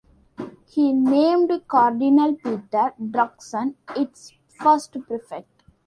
He named Cardinal Peter Turkson its first prefect.